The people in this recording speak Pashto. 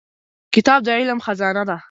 کتاب د علم خزانه ده.